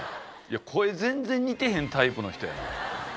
声、全然似てへんタイプの人やねん。